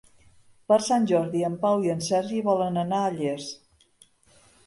Per Sant Jordi en Pau i en Sergi volen anar a Llers.